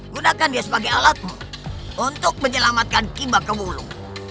gunakan dia sebagai alatmu untuk menyelamatkan kiba kebulung